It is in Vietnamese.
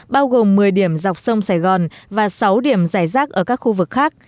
bao gồm một mươi điểm dọc sông sài gòn và sáu điểm dài rác ở các khu vực khác